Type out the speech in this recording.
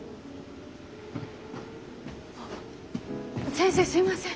先生すいません。